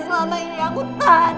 selama ini aku tahan